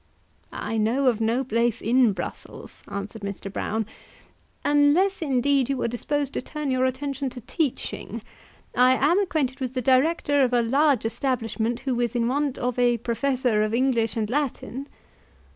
"I know of no place in Brussels," answered Mr. Brown, "unless indeed you were disposed to turn your attention to teaching. I am acquainted with the director of a large establishment who is in want of a professor of English and Latin."